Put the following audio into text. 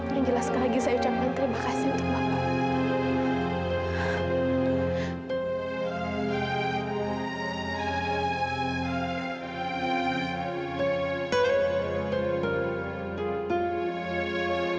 yang jelas sekali lagi saya ucapkan terima kasih untuk bapak